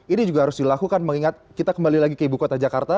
ini juga harus dilakukan mengingat kita kembali lagi ke ibu kota jakarta